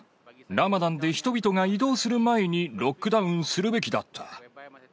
ラマダンで人々が移動する前に、ロックダウンするべきだった。